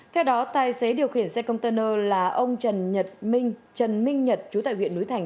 theo đó tài xế điều khiển xe container là ông trần minh nhật chú tại huyện núi thành